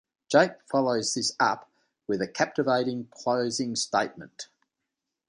Jake follows this up with a captivating closing statement.